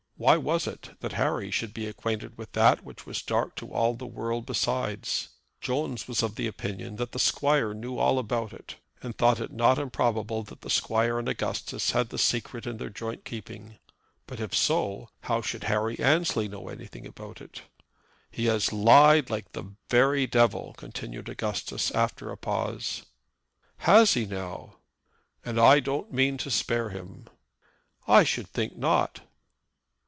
Why was it that Harry should be acquainted with that which was dark to all the world besides? Jones was of opinion that the squire knew all about it, and thought it not improbable that the squire and Augustus had the secret in their joint keeping. But if so, how should Harry Annesley know anything about it? "He has lied like the very devil," continued Augustus, after a pause. "Has he, now?" "And I don't mean to spare him." "I should think not."